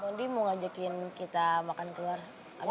kondi mau ngajakin kita makan keluar mau